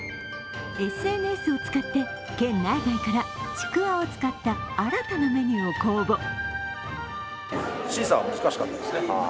ＳＮＳを使って県内外から、ちくわを使った新たなメニューを公募。